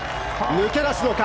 抜け出すのか。